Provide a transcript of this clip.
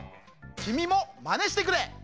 きみもまねしてくれ！